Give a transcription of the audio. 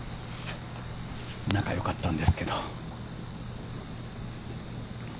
仲良かったんですけど。